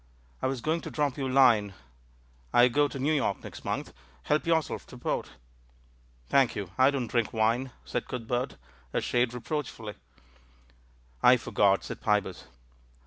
I was going to drop you a line ; I go to New York next month. Help yourself to port." "Thank you, I don't drink wine," said Cuth bert, a shade reproachfully. "I forgot," said Pybus.